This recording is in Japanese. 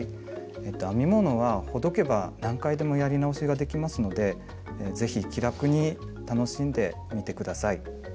編み物はほどけば何回でもやり直しができますので是非気楽に楽しんでみて下さい。